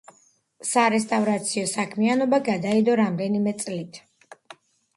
სარესტავრაციო საქმიანობა გადაიდო რამდენიმე წლით.